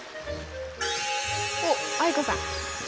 あっ藍子さん。